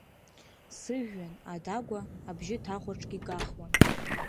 Сыжәҩан, адагәа, абжьы ҭахәаҽгьы гахуан…